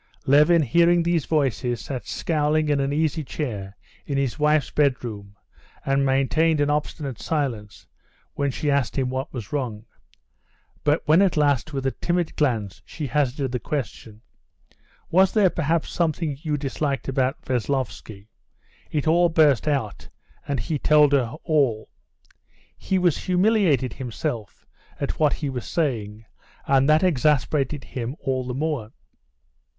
Levin hearing these voices sat scowling in an easy chair in his wife's bedroom, and maintained an obstinate silence when she asked him what was wrong. But when at last with a timid glance she hazarded the question: "Was there perhaps something you disliked about Veslovsky?"—it all burst out, and he told her all. He was humiliated himself at what he was saying, and that exasperated him all the more.